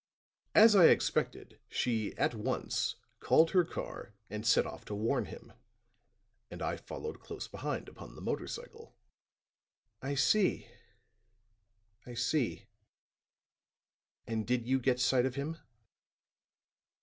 As I expected, she at once called her car and set off to warn him; and I followed close behind upon the motor cycle." "I see, I see. And did you get sight of him?"